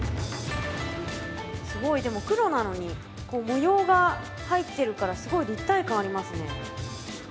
すごいでも黒なのにこう模様が入ってるからすごい立体感ありますね